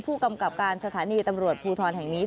ผู้กำกับการสถานีตำรวจภูทรแห่งนี้